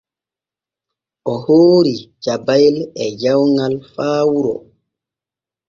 O hoori jabayel e jawŋal fu faa wuro.